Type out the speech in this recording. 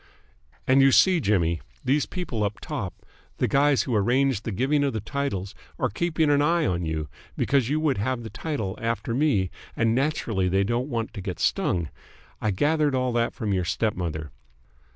"And you see, Jimmy, these people up top, the guys who arrange the giving of titles, are keeping an eye on you, because you would have the title after me and naturally they don't want to get stung. I gathered all that from your stepmother.